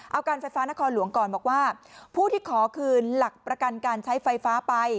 เอาการไฟฟ้านครหลวงก่อนบอกว่าผู้ที่ขอคืนหลักประกันการใช้ไฟฟ้าไป